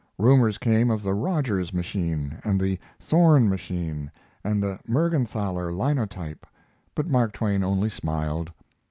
Rumors came of the Rogers machine and the Thorne machine and the Mergenthaler linotype, but Mark Twain only smiled.